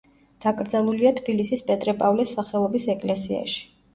დაკრძალულია თბილისის პეტრე-პავლეს სახელობის ეკლესიაში.